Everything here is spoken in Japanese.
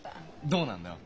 どうなんだよ？